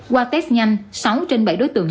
qua test nhanh sáu trên bảy đối tượng